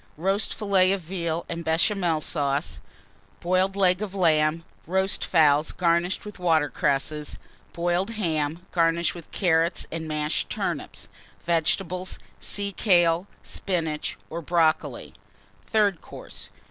Roast Fillet of Veal and Béchamel Sauce. Boiled Leg of Lamb. Roast Fowls, garnished with Water cresses. Boiled Ham, garnished with Carrots and mashed Turnips. Vegetables Sea kale, Spinach, or Brocoli. THIRD COURSE.